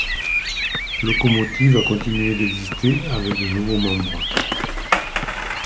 Locomotive a continué d'exister avec de nouveaux membres.